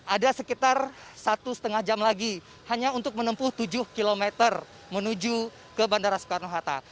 ada sekitar satu lima jam lagi hanya untuk menempuh tujuh km menuju ke bandara soekarno hatta